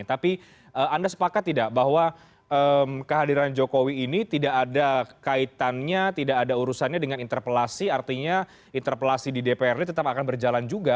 tapi anda sepakat tidak bahwa kehadiran jokowi ini tidak ada kaitannya tidak ada urusannya dengan interpelasi artinya interpelasi di dprd tetap akan berjalan juga